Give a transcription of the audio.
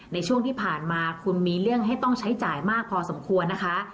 ในช่วงที่ผ่านมาคุณมีเรื่องให้ต้องใช้จ่ายมากพอสมควรนะคะ